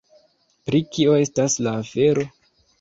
Pri kio estas la afero?